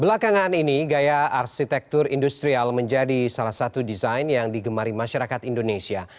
belakangan ini gaya arsitektur industrial menjadi salah satu desain yang digemari masyarakat indonesia